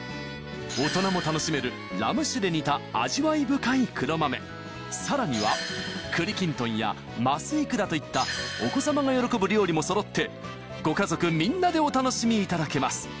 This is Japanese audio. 大人も楽しめるラム酒で煮た味わい深い黒まめさらには栗きんとんや鱒イクラといったお子様が喜ぶ料理もそろってご家族みんなでお楽しみいただけます